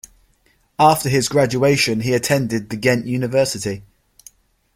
After his graduation he attended the Ghent University.